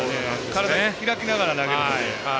体、開きながら投げるので。